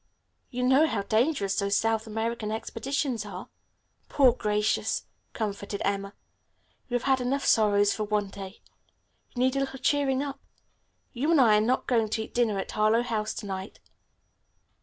You know how dangerous those South American expeditions are?" "Poor Gracious," comforted Emma, "you have had enough sorrows for one day. You need a little cheering up. You and I are not going to eat dinner at Harlowe House to night.